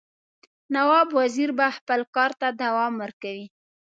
نواب وزیر به خپل کارته دوام ورکوي.